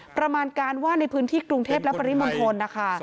ประมาณการว่าในพื้นที่กรุงเทพและปริมณฑลนะคะ